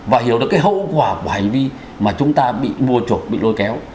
và hiểu được cái hậu quả của hành vi mà chúng ta bị mùa chuột bị lôi kéo